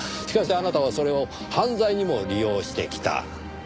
しかしあなたはそれを犯罪にも利用してきた。